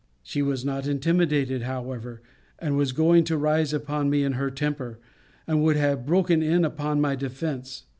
She was not intimidated, however, and was going to rise upon me in her temper; and would have broken in upon my defence.